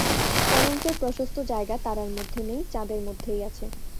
কলঙ্কের প্রশস্ত জায়গা তারার মধ্যে নেই, চাঁদের মধ্যেই আছে।